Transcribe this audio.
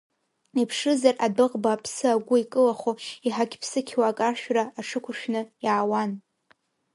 Иԥшызар адәыӷба аԥсы агәы икылахо, иҳақь-ԥсықьуа акаршәра аҽықәыршәны иаауан.